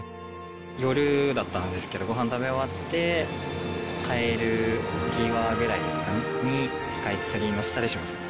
夜だったんですけど、ごはん食べ終わって、帰る際ぐらいですかね、に、スカイツリーの下でしました。